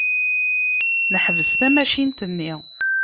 Neḥbes tamacint-nni.